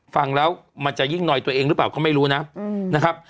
ฟังแล้วมันจะยิ่งนอยตัวเองหรือเปล่าก็ไม่รู้นะนะครับ